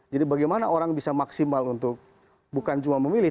jadi bagaimana orang bisa maksimal untuk bukan cuma memilih